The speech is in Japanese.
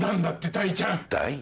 大ちゃん？